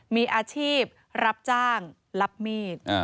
มีอาชีพรับจ้างรับมีด